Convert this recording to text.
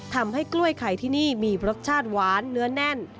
ทำให้กล้วยไข่ที่นี่มีรสชาติหวานเนื้อแน่น